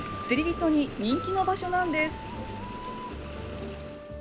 釣り人に人気の場所なんです。